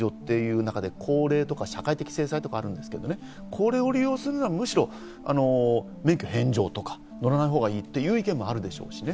裁判所は有利な事情という中で高齢者とか社会的制裁とかありますが、これを利用するのはむしろ免許返上とか、乗らないほうがいいという意見もあるでしょうしね。